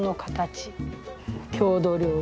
郷土料理。